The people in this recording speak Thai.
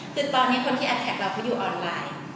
คือตอนนี้คนที่แอดแท็กเราเขาอยู่ออนไลน์